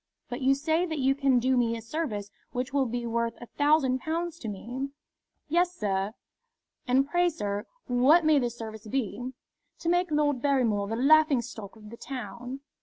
But you say that you can do me a service which will be worth a thousand pounds to me?" "Yes, sir." "And pray, sir, what may this service be?" "To make Lord Barrymore the laughing stock of the town."